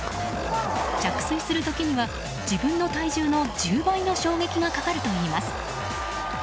着水する時には自分の体重の１０倍の衝撃がかかるといいます。